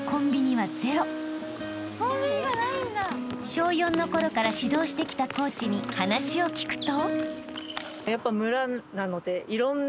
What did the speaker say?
［小４のころから指導してきたコーチに話を聞くと］